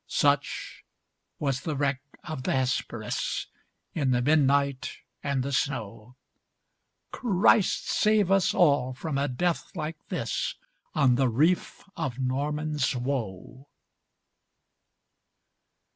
Such was the wreck of the Hesperus, In the midnight and the snow! Christ save us all from a death like this, On the reef of Norman's Woe!